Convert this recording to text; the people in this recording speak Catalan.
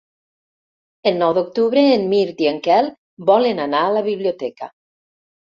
El nou d'octubre en Mirt i en Quel volen anar a la biblioteca.